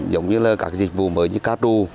giống như là các dịch vụ mới như cá đu